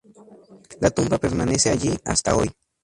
La tumba permanece allí hasta hoy.